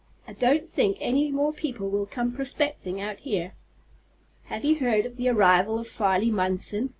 I don't think any more people will come prospecting out here." "Have you heard of the arrival of Farley Munson?"